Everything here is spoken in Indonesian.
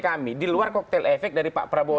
kami di luar koktel efek dari pak prabowo